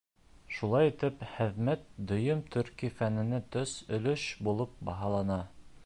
Шулай итеп, хеҙмәт дөйөм төрки фәненә тос өлөш булып баһалана.